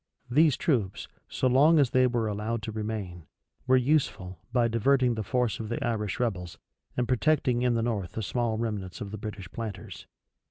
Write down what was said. These troops, so long as they were allowed to remain, were useful, by diverting the force of the Irish rebels, and protecting in the north the small remnants of the British planters.